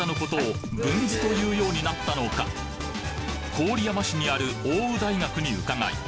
郡山市にある奥羽大学に伺い